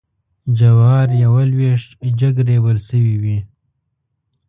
جوارېوه لویشت جګ ریبل شوي وې.